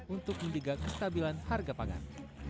untuk menjaga kestabilan harga pangan